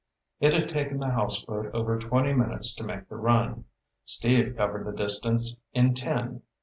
It had taken the houseboat over twenty minutes to make the run. Steve covered the distance in ten.